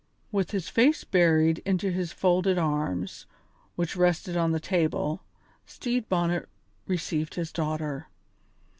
With his face buried in his folded arms, which rested on the table, Stede Bonnet received his daughter.